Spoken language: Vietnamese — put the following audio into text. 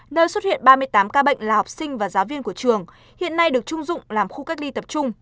nơi xuất hiện ba mươi tám ca bệnh là học sinh và giáo viên của trường hiện nay được trung dụng làm khu cách ly tập trung